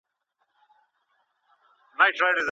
زه له سهاره د سبا لپاره د تمرينونو ترسره کول کوم.